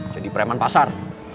jadi preman pasar